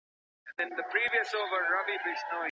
فارمسي پوهنځۍ په خپلواکه توګه نه اداره کیږي.